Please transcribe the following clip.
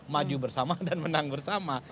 maju bersama dan menang bersama